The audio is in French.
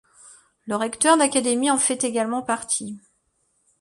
Le recteur d'académie en fait également partie.